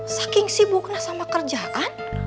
saking sibuk nah sama kerjaan